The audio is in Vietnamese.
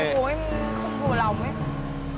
ủa em không vừa lòng ấy